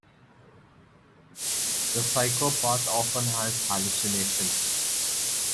The psychopath often has hallucinations.